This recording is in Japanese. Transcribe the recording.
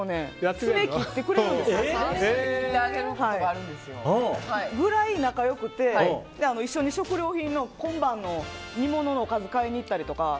それぐらい仲が良くて一緒に食料品の今晩の煮物のおかずを買いに行ったりとか。